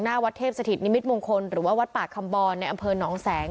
หน้าวัดเทพสถิตนิมิตมงคลหรือว่าวัดป่าคำบรในอำเภอหนองแสง